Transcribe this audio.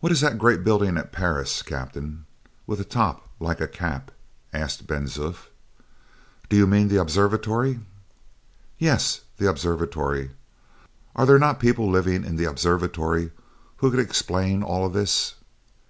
"What is that great building at Paris, captain, with a top like a cap?" asked Ben Zoof. "Do you mean the Observatory?" "Yes, the Observatory. Are there not people living in the Observatory who could explain all this?"